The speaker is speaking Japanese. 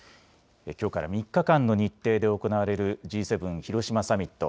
きょうから３日間の日程で行われるＧ７広島サミット。